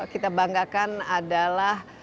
kita banggakan adalah